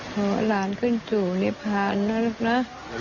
ขอหลานขึ้นสู่นิพานนะลูกนะ